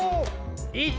１。